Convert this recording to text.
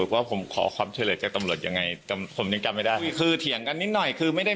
เขามีส่วนเกี่ยวพันธุ์กับยาสติกมาก่อนหรือครับ